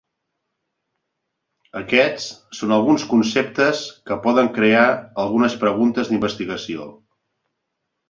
Aquest son alguns conceptes que poden crear algunes preguntes d'investigació.